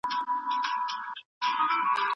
خلګ بايد له ظالمانه رواجونو څخه لاس واخلي.